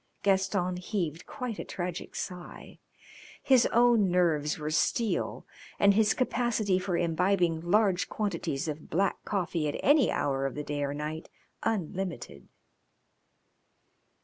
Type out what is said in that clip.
Gaston heaved quite a tragic sigh. His own nerves were steel and his capacity for imbibing large quantities of black coffee at any hour of the day or night unlimited.